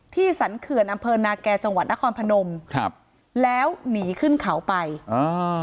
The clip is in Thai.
สรรเขื่อนอำเภอนาแก่จังหวัดนครพนมครับแล้วหนีขึ้นเขาไปอ่า